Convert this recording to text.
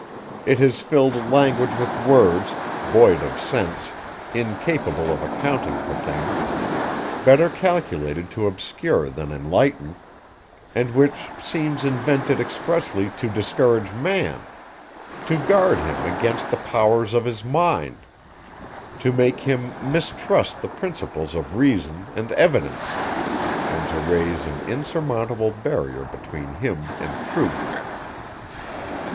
It has filled language with words, void of sense, incapable of accounting for things, better calculated to obscure than enlighten, and which seems invented expressly to discourage man, to guard him against the powers of his mind, to make him mistrust the principles of reason and evidence, and to raise an insurmountable barrier between him and truth.